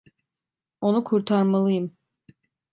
Onu kurtarmalıyım.